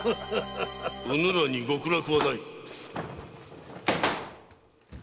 ・うぬらに極楽はない。